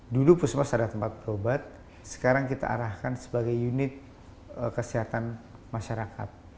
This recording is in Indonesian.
dulu puskesmas ada tempat berobat sekarang kita arahkan sebagai unit kesehatan masyarakat